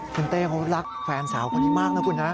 คุณเต้เขารักแฟนสาวคนนี้มากนะคุณนะ